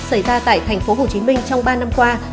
xảy ra tại thành phố hồ chí minh trong ba năm qua